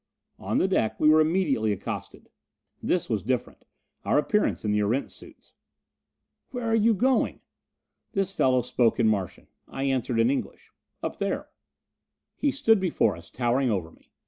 On the deck, we were immediately accosted. This was different our appearance in the Erentz suits! "Where are you going?" This fellow spoke in Martian. I answered in English. "Up there." He stood before us, towering over me.